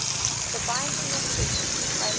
THE BINDING OF FEET BY REV.